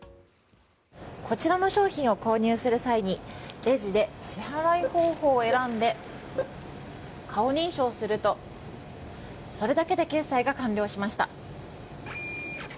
こちらの商品を購入する際にレジで支払い方法を選んで顔認証をするとそれだけで決済が完了しました。